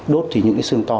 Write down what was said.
đốt thì những cái sương to